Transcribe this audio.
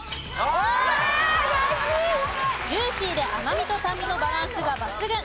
ジューシーで甘みと酸味のバランスが抜群！